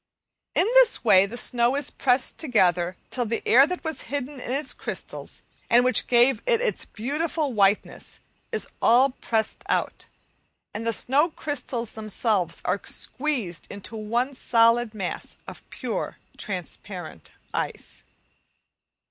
In this way the snow is pressed together till the air that was hidden in its crystals, and which gave it its beautiful whiteness, is all pressed out, and the snow crystals themselves are squeezed into one solid mass of pure, transparent ice.